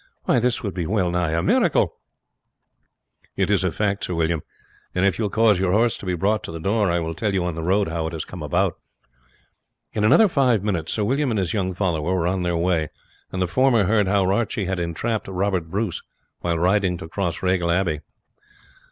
Why, this would be well nigh a miracle." "It is a fact, Sir William; and if you will cause your horse to be brought to the door I will tell you on the road how it has come about." In another five minutes Sir William and his young follower were on their way, and the former heard how Archie had entrapped Robert Bruce while riding to Crossraguel Abbey.